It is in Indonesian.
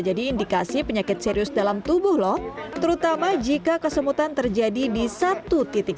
jadi indikasi penyakit serius dalam tubuh loh terutama jika kesemutan terjadi di satu titik